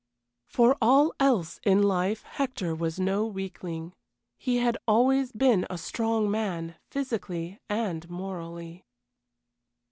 For all else in life Hector was no weakling. He had always been a strong man, physically and morally.